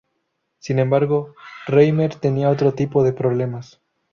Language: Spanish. Sin embargo, Reimer tenía otro tipo de problemas.